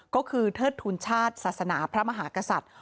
ก็คือเทิดทุนชาติศาสนาพระมหากษัตริย์